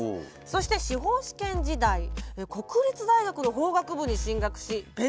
そして司法試験時代国立大学の法学部に進学し弁護士を目指します。